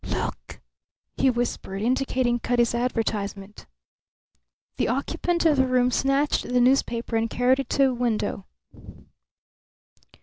"Look!" he whispered, indicating Cutty's advertisement. The occupant of the room snatched the newspaper and carried it to a window.